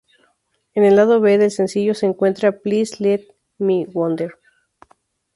En el lado B del sencillo se encuentra "Please Let Me Wonder".